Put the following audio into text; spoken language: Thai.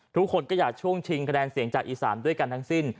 ทุกคนก็อยากช่วงชิงคะแนนเสียงจากอีสานด้วยกันทั้งสิ้น